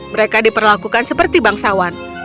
mereka diperlakukan seperti bangsawan